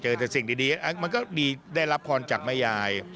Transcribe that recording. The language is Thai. เจอแต่สิ่งดีมันก็มีได้รับพรจากแม่ยาย